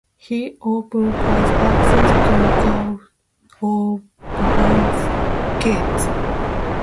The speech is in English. He often has access to guns of various kinds.